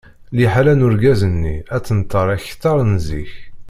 Liḥala n urgaz-nni ad tenṭer akteṛ n zik.